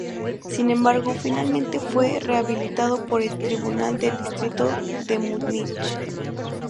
Sin embargo, finalmente fue rehabilitado por el Tribunal del Distrito de Múnich.